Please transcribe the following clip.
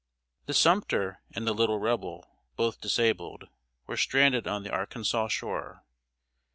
The Sumter and the Little Rebel, both disabled, were stranded on the Arkansas shore.